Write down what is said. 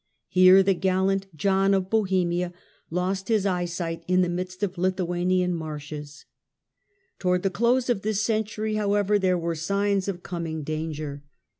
here the gallant John of Bohemia lost his eyesight in the midst of Lithuanian Growing uiarshes. Towards the close of this century, however, ( angers i\^qj.q ^^QlQ signs of coming danger.